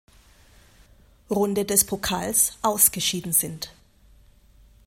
Runde des Pokals ausgeschieden sind.